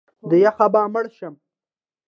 د یخه به مړ شم!